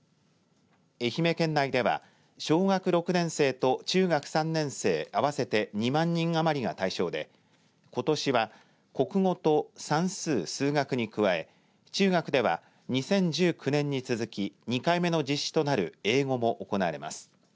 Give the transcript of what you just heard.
愛媛県内では小学６年生と中学３年生合わせて２万人余りが対象でことしは国語と算数・数学に加え中学では２０１９年に続き２回目の実施となる英語も行われます。